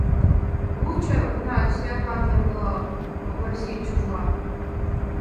Лучо, уна, сӱанлан ямдылалт, — Овросий чужла.